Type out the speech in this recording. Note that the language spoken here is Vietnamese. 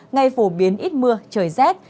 ngày phổ biến ít mưa trời rét